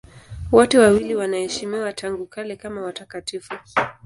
Wote wawili wanaheshimiwa tangu kale kama watakatifu.